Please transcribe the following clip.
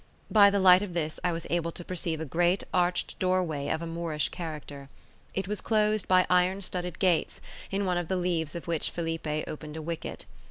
By the light of this I was able to perceive a great arched doorway of a Moorish character: it was closed by iron studded gates, in one of the leaves of which Felipe opened a wicket.